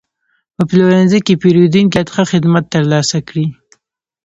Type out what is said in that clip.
په پلورنځي کې پیرودونکي باید ښه خدمت ترلاسه کړي.